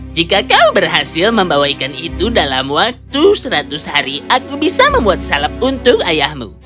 jika kau berhasil membawa ikan itu dalam waktu seratus hari aku bisa membuat salep untuk ayahmu